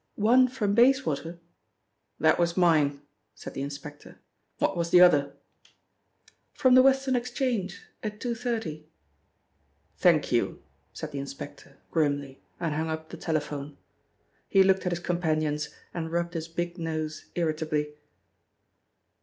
One from Bayswater " "That was mine," said the Inspector. "What was the other?" "From the Western Exchange at 2.30." "Thank you," said the inspector grimly, and hung up the telephone. He looked at his companions and rubbed his big nose irritably.